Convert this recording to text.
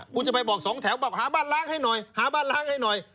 คุณจะไปบอกสองแถวบอกหาบ้านล้างให้หน่อยหาบ้านล้างให้หน่อย